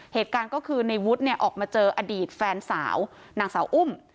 เหตุการณ์ก็คือในวุฒิเนี่ยออกมาเจออดีตแฟนสาวนางสาวอุ้ม